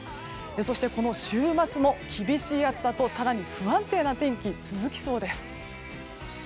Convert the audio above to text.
そして、この週末も厳しい暑さと更に不安定な天気続きそうです。